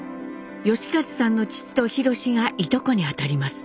美一さんの父と廣がいとこにあたります。